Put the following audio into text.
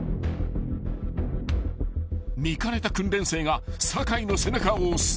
［見かねた訓練生が坂井の背中を押す］